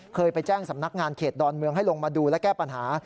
เคยไปแจ้งสำนักงานเขตดอนเมืองให้ลงมาดูและแก้ปัญหา